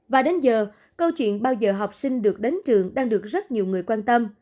và đến giờ câu chuyện bao giờ học sinh được đến trường đang được rất nhiều người quan tâm